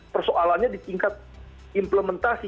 persoalannya di tingkat implementasi